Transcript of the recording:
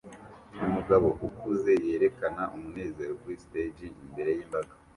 Umugabo ukuze yerekana umunezero kuri stage imbere yimbaga